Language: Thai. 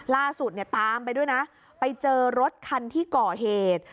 ล่าสุดเนี่ยตามไปด้วยนะไปเจอรถคันที่ก่อเหตุ